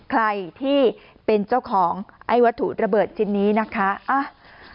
ใครที่เป็นเจ้าของไอ้วัตถุระเบิดชิ้นนี้นะคะ